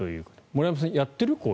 森山さんやってる？